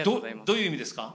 どういう意味ですか？